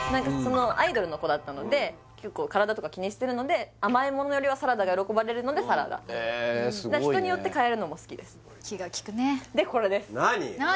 アイドルの子だったので結構体とか気にしてるので甘いものよりはサラダが喜ばれるのでサラダえっすごいね人によって変えるのも好きです気が利くねでこれです何？